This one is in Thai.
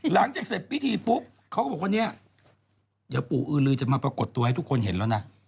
หลังจากเสร็จพิธีปุ๊บเขาก็บอกว่าเนี่ยเดี๋ยวปู่อือลือจะมาปรากฏตัวให้ทุกคนเห็นแล้วนะ